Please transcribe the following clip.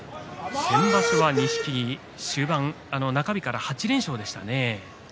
先場所は錦木中盤、中日から８連勝でしたね。